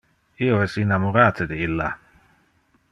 Io es innamorate de illa.